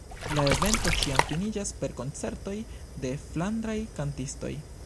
La evento ĉiam finiĝas per koncertoj de flandraj kantistoj.